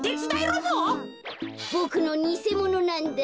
ボクのにせものなんだ。